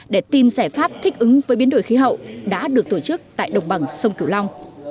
để tìm giải pháp thích ứng với biến đổi khí hậu đã được tổ chức tại đồng bằng sông cửu long